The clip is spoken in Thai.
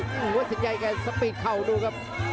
หัวสินใยแค่สปีดเข่าดูครับ